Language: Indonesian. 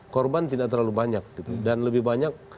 korban tidak terlalu banyak dan lebih banyak